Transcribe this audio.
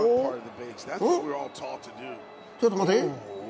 おっ、ちょっと待て！